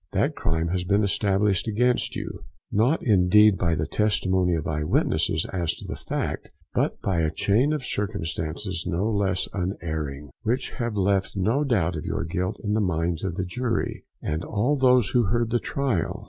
That crime has been established against you, not indeed by the testimony of eye witnesses as to the fact, but by a chain of circumstances no less unerring, which have left no doubt of your guilt in the minds of the jury, and all those who heard the trial.